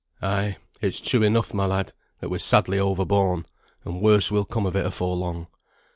"Ay, it's true enough, my lad, that we're sadly over borne, and worse will come of it afore long.